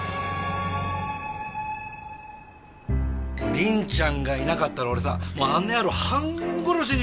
りんちゃんがいなかったら俺さあの野郎半殺しにしてたよ